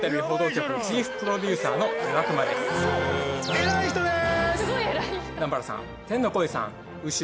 偉い人です！